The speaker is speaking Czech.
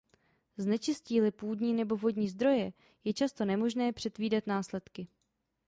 Znečistí-li půdní nebo vodní zdroje, je často nemožné předvídat následky.